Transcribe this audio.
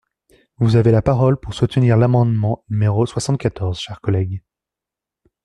Vous avez la parole pour soutenir l’amendement numéro soixante-quatorze, cher collègue.